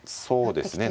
そうですね。